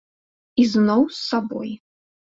І зноў з сабой.